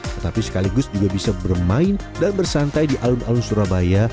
tetapi sekaligus juga bisa bermain dan bersantai di alun alun surabaya